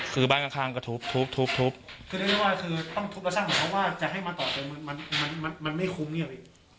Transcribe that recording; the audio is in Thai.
คือได้เรียกว่าต้องทุกประชั่งของเขาว่าจะให้มันต่อไปมันไม่คุ้มเนี่ย